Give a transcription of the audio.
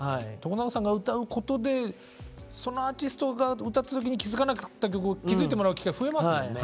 永さんが歌うことでそのアーティストが歌った時に気付かなかった曲を気付いてもらう機会増えますもんね。